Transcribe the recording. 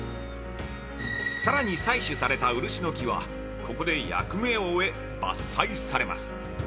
さらに採取された漆の木はここで役目を終え、伐採されます。